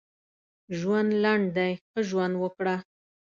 ژوند لنډ دی ښه ژوند وکړه.